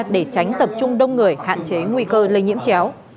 để tránh tập trung đông người hạn chế nguy cơ lây nhiễm chéo